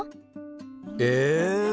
え！